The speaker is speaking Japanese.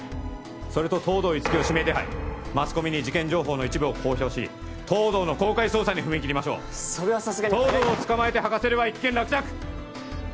それと東堂樹生を指名手配マスコミに事件情報の一部を公表し東堂の公開捜査踏み切りましょうそれはさすがに早い東堂を捕まえて吐かせれば一件落着！